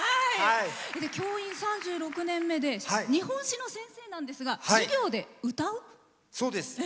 教員３６年目で日本史の先生なんですがそうです。